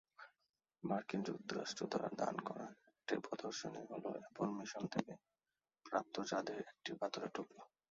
মার্কিন যুক্তরাষ্ট্র দ্বারা দান করা একটি প্রদর্শনী হলো অ্যাপোলো মিশন থেকে প্রাপ্ত চাঁদের একটি পাথরের টুকরো।